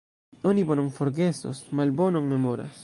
Oni bonon forgesos, malbonon memoras.